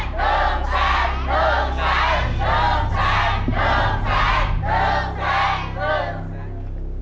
นุ่มแสงนุ่มแสงนุ่มแสงนุ่มแสง